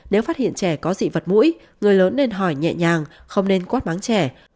nếu phát hiện trẻ có dị vật mũi người lớn nên hỏi nhẹ nhàng không nên quát bán trẻ